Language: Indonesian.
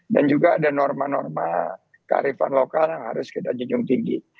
dan juga ada norma norma kearifan lokal yang harus kita jenjung tinggi